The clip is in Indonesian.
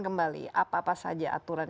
kembali apa apa saja aturan